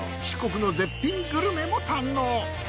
四国の絶品グルメも堪能。